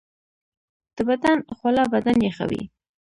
د بدن خوله بدن یخوي